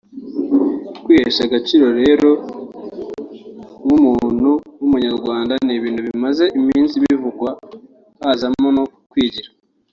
kwihesha agaciro rero nk’umuntu nk’umunyarwanda ni ibintu bimaze iminsi bivugwa hazamo no kwigira